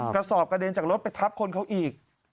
กระสอบกระเด็นจากรถไปทับคนเขาอีก